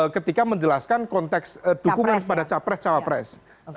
ketika menjelaskan konteks dukungan pada capres capapres